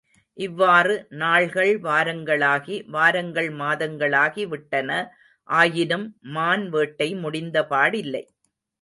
இவ்வாறு நாள்கள் வாரங்களாகி, வாரங்கள் மாதங்களாகி விட்டன ஆயினும், மான் வேட்டை முடிந்தபாடில்லை.